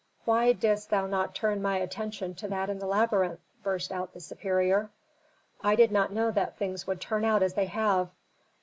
"Why didst thou not turn my attention to that in the labyrinth?" burst out the superior. "I did not know that things would turn out as they have."